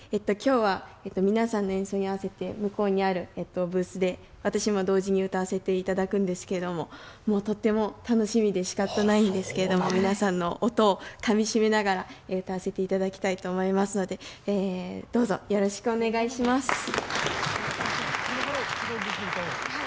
今日は皆さんの演奏に合わせて向こうにあるブースで私も同時に歌わせて頂くんですけれどももうとっても楽しみでしかたないんですけれども皆さんの音をかみしめながら歌わせて頂きたいと思いますのでどうぞよろしくお願いします。